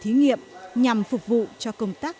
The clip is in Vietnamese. thí nghiệm nhằm phục vụ cho công tác